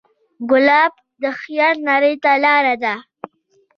ګلاب د خیال نړۍ ته لاره ده.